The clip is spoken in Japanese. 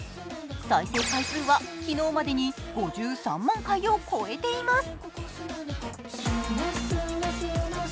再生回数は昨日までに５３万回を超えています。